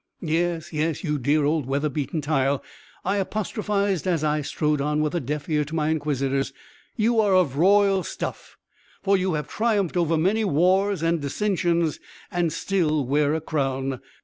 "Yes, yes, you dear old weather beaten tile," I apostrophized as I strode on with a deaf ear to my inquisitors, "you are of royal stuff, for you have triumphed over many wars and dissensions and still wear a crown!